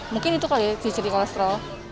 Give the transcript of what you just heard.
mungkin itu kalau ya ciri ciri kolesterol